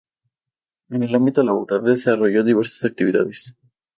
En el ámbito laboral desarrolló diversas actividades.